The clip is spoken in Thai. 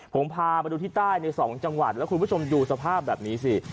ผมพามาดูที่ใต้ใน๒จังหวัดแล้วคุณผู้ชมดูสภาพแบบนี้สิ